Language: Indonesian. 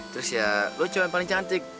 terus ya lo cuan paling cantik